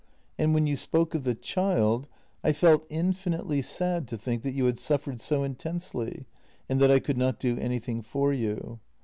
And when you spoke of the child, I felt infinitely sad to think that you had suffered so intensely and that I could not do anything for you.